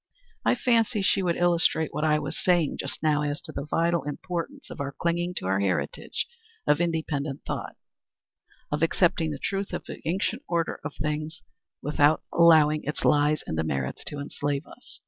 I fancy she would illustrate what I was saying just now as to the vital importance of our clinging to our heritage of independent thought of accepting the truth of the ancient order of things without allowing its lies and demerits to enslave us."